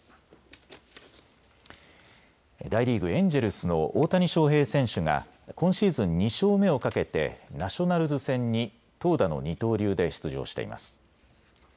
大リーグ、エンジェルスの大谷翔平選手が今シーズン２勝目をかけてナショナルズ戦に投打の二刀流で出場しています。